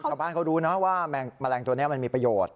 ชาวบ้านเขารู้นะว่าแมลงตัวนี้มันมีประโยชน์